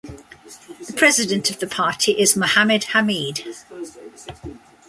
The president of the party is Mohammed Hamid.